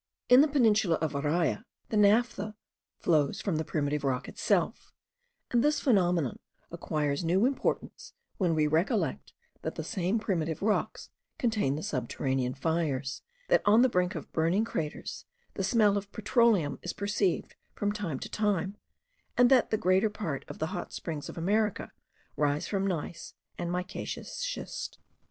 In the peninsula of Araya, the naphtha flows from the primitive rock itself; and this phenomenon acquires new importance, when we recollect that the same primitive rocks contain the subterranean fires, that on the brink of burning craters the smell of petroleum is perceived from time to time, and that the greater part of the hot springs of America rise from gneiss and micaceous schist.